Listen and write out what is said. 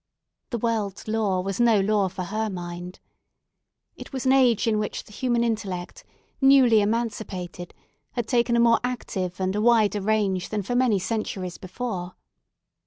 The world's law was no law for her mind. It was an age in which the human intellect, newly emancipated, had taken a more active and a wider range than for many centuries before.